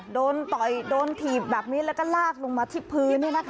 โดนต่อยโดนถีบแบบนี้แล้วก็ลากลงมาที่พื้น